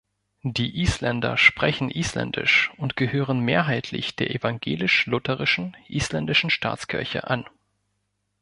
Die Isländer sprechen Isländisch und gehören mehrheitlich der evangelisch-lutherischen Isländischen Staatskirche an.